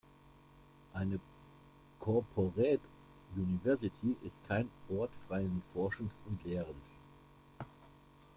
Eine Corporate University ist kein Ort freien Forschens und Lehrens.